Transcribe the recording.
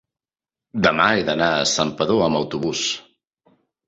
demà he d'anar a Santpedor amb autobús.